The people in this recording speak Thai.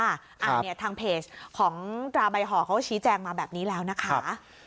อันนี้ทางเพจของตราใบห่อเขาก็ชี้แจงมาแบบนี้แล้วนะคะ